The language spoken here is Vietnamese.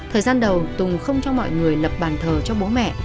thời gian đầu tùng không cho mọi người lập bàn thờ cho bố mẹ